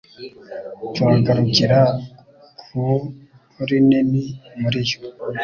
turagarukira ku rinini muri yo